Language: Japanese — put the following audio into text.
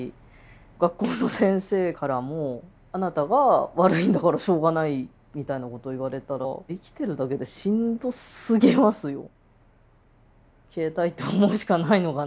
学校の先生からもあなたが悪いんだからしょうがないみたいなことを言われたら生きてるだけでしんどすぎますよ。